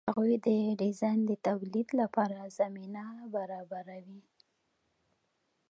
هغوی د ډیزاین د تولید لپاره زمینه برابروي.